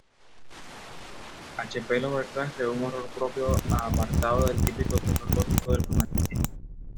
H. P. Lovecraft creó un horror propio, apartado del típico terror gótico del romanticismo.